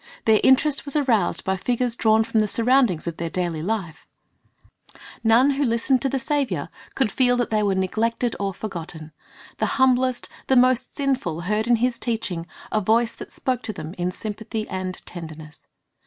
Their interest was aroused by figures drawn from the sur roundings of their daily life. None who listened to the Saviour And in the . ami !;roves." 22 C Ji r i s t' s bj e c t L e s s o n s could feel that they were neglected or forgotten. The humblest, the most sinful, heard in His teaching a voice that spoke to them in sympathy and tenderness.